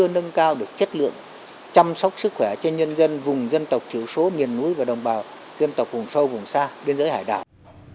nâng cao được chất lượng chăm sóc sức khỏe cho nhân dân vùng dân tộc thiểu số miền núi và đồng bào dân tộc vùng sâu vùng xa biên giới hải đảo